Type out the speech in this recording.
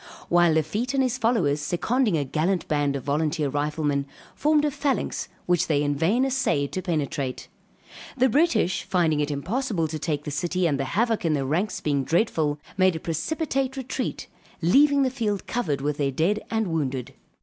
While Lafitte and his followers, seconding a gallant band of volunteer riflemen, formed a phalanx which they in vain assayed to penetrate. The British finding it impossible to take the city and the havoc in their ranks being dreadful, made a precipitate retreat, leaving the field covered with their dead and wounded.